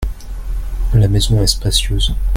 La maison est spacieuse.